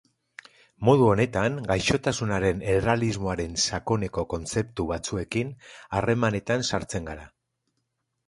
Modu honetan gaixotasunen errealismoaren sakoneko kontzeptu batzuekin harremanetan sartzen gara.